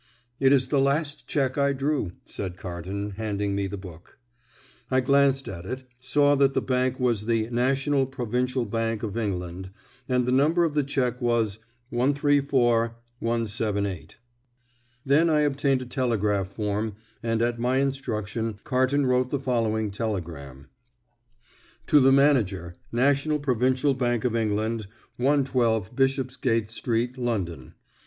"It is the last cheque I drew," said Carton, handing me the book. I glanced at it, saw that the bank was the National Provincial Bank of England, and the number of the cheque 134,178. Then I obtained a telegraph form, and at my instruction Carton wrote the following telegram: "To the Manager, National Provincial Bank of England, 112 Bishopsgate Street, London.